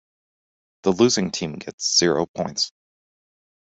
The losing team gets zero points.